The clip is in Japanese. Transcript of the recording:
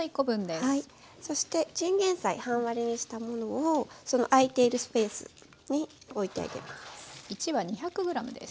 そしてチンゲンサイ半割りにしたものをその空いているスペースにおいてあげます。